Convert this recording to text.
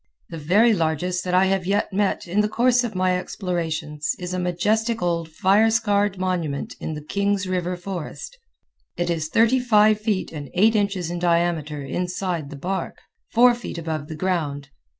The very largest that I have yet met in the course of my explorations is a majestic old fire scarred monument in the Kings River forest. It is thirty five feet and eight inches in diameter inside the bark, four feet above the ground.